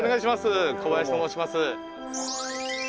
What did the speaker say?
小林と申します。